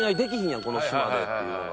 やんこの島でっていうのが。